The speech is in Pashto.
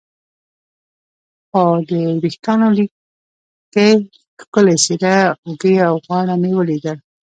خو د وریښتانو لیکې، ښکلې څېره، اوږې او غاړه مې ولیدل.